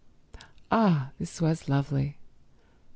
Ah, this was lovely.